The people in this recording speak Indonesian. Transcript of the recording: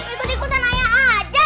ikut ikutan ayah ada